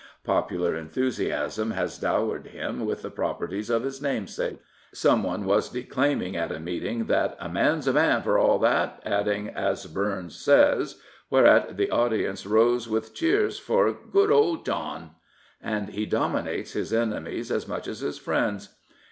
Popular enthusiasn has dowered him with the pro perties of his namesake. Someone was declaiming at a meeting that A man's a man for a' that," adding, as Burns says," whereat the audience rose with cheers for " good old John." And he dominates his enemies as much as his friends.